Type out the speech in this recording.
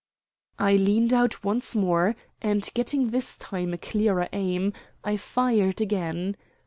I leaned out once more and, getting this time a clearer aim, I fired again.